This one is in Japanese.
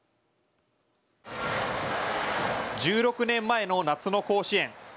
１６年前の夏の甲子園。